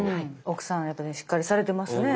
奥さんやっぱりしっかりされてますね。